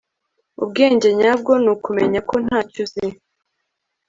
ubwenge nyabwo ni ukumenya ko ntacyo uzi